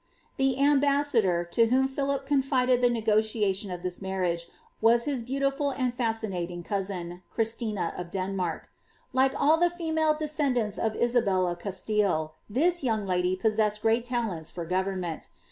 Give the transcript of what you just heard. The ambassiiior, to whom Philip confided the negotiation of this marriage, was his beautiful and fascinating cousin, Christina of Den mark.' Like all the female descendants of Isabel of Castille. this young lady possessed great talents for government.